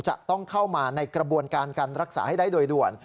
จะต้องเข้ามาในกระบวนการการรักษาให้ได้โดยด่วน